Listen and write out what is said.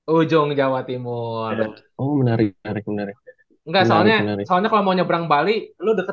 hai ujung jawa timur menarik menarik menarik soalnya soalnya kalau mau nyebrang bali lu deket